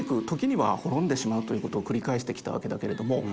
時には滅んでしまうという事を繰り返してきたわけだけれども。